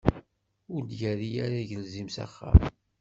Ur d-yerri ara agelzim s axxam.